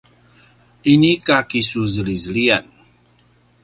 inika kisuzelizeliyan